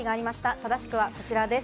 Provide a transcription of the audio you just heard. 正しくはこちらです。